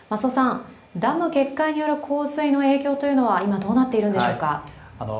ダム決壊による洪水の影響は今どうなっているでしょうか。